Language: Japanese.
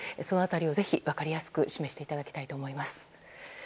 その辺りをぜひ分かりやすく示していただきたいと思います。